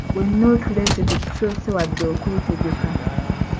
Wenna otuleese tetusoose wadde okwetegeka.